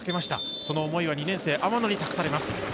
その思いは２年生・雨野に託されます。